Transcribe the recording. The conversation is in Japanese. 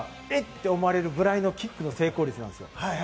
て思われるぐらいのキックの成功率なんです。